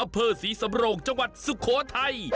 อำเภอศรีสำโรงจังหวัดสุโขทัย